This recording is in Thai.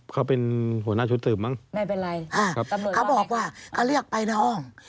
เขาเป็นหัวหน้าชุดสืบมั้งไม่เป็นไรอ่าครับตำรวจเขาบอกว่าเขาเรียกไปน้อง